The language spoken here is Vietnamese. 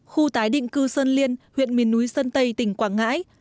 khu tái định cư sơn liên huyện miền núi sơn tây tỉnh quảng ngãi